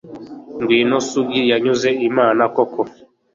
ngwino sugi yanyuze imana koko